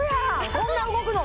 こんな動くの！？